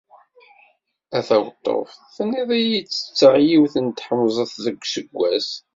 A taweṭṭuft, tenniḍ-iyi ttetteɣ yiwet n tḥemẓet deg useggas.